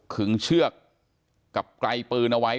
ึงเชือกกับไกลปืนเอาไว้